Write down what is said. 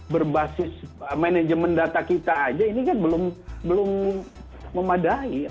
berbasis manajemen data kita aja ini kan belum memadai